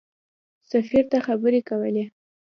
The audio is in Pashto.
سفیر ته خبرې کولې.